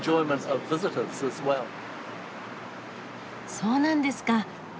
そうなんですか。